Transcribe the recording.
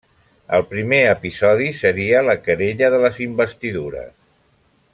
El primer episodi seria la querella de les investidures.